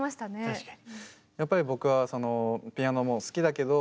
確かに。